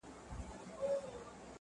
حيوان څه چي د انسان بلا د ځان دي!!